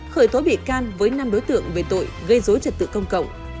khởi tố bị can với năm đối tượng về tội gây dối trật tự công cộng